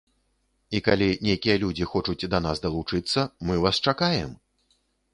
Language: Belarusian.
І калі нейкія людзі хочуць да нас далучыцца, мы вас чакаем!